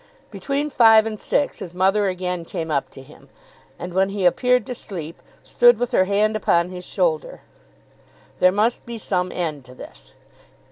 Between five and six his mother again came up to him, and when he appeared to sleep, stood with her hand upon his shoulder. There must be some end to this.